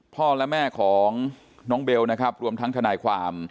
พ่อและแม่ของน้องเบลนะครับรวมทั้งทนายความ